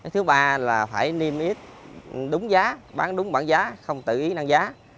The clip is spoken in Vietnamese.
thứ ba là phải niêm yết đúng giá bán đúng bản giá không tự ý năng giá